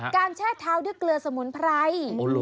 แช่เท้าด้วยเกลือสมุนไพร